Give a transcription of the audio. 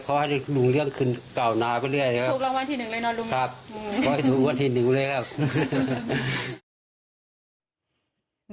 ดูรักวันที่หนึ่งเลยนะลุง